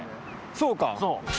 そうか。